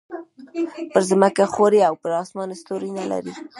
پر ځمکه ښوری او پر اسمان ستوری نه لري.